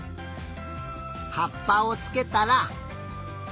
はっぱをつけたら。